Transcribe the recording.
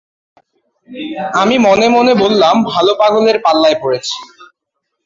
আমি মনে-মনে বললাম, ভালো পাগলের পাল্লায় পড়েছি।